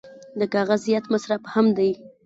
د کاغذ زیات مصرف هم دی.